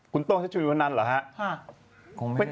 คุณโต้นชัชวินอุณทนันเหรอฮะ